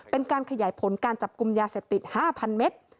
เป็นการขยายผลการจับกลุ่มยาเสพติด๕๐๐เมตร